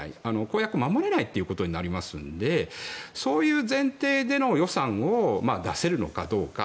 公約を守れないということになりますのでそういう前提での予算を出せるのかどうか。